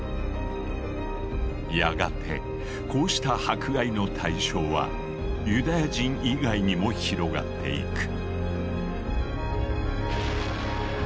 やがてこうした迫害の対象はユダヤ人以外にも広がっていく。